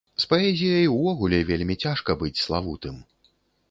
З паэзіяй увогуле вельмі цяжка быць славутым.